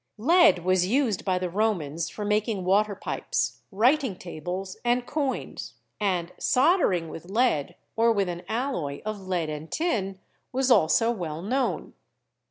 Lead was used by the Romans for making water pipes, writing tables and coins, and soldering with lead or with an alloy of lead and tin was also well known.